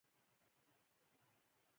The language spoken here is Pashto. پښتو متلونه حکمت لري